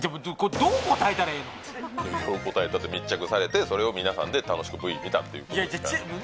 どう答えたって、密着されて、それを皆さんで楽しくＶ見たってことですから。